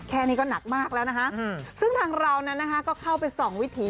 แค่นี้ก็หนักมากแล้วนะคะซึ่งทางเรานั้นนะคะก็เข้าไปส่องวิถี